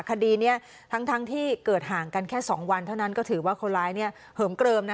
คดีนี้ทั้งที่เกิดห่างกันแค่๒วันเท่านั้นก็ถือว่าคนร้ายเหิมเกลิม